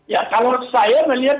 ya kalau saya melihat